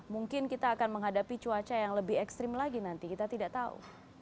mungkin kita akan menghadapi cuaca yang lebih ekstrim lagi nanti kita tidak tahu